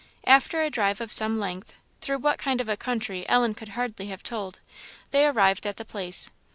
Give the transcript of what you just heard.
After a drive of some length, through what kind of a country Ellen could hardly have told, they arrived at the place.